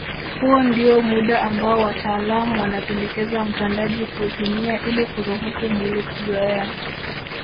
Huo ndio muda ambao wataalam wanapendekeza mpandaji kuutumia ili kuruhusu mwili kuzoea